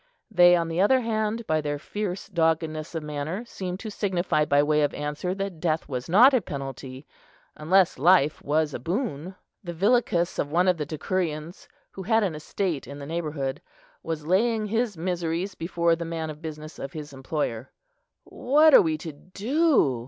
They, on the other hand, by their fierce doggedness of manner, seemed to signify by way of answer that death was not a penalty, unless life was a boon. The villicus of one of the decurions, who had an estate in the neighbourhood, was laying his miseries before the man of business of his employer. "What are we to do?"